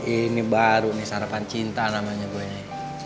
ini baru nih sarapan cinta namanya gue ini